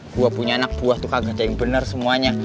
gue punya anak buah tuh kagak ada yang bener semuanya